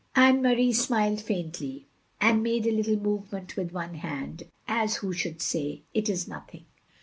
Anne Marie smiled faintly, and made a little movement with one hand, as who should say, It is nothing.